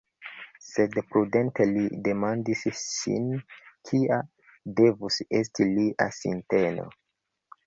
Sed prudente li demandis sin kia devus esti lia sinteno?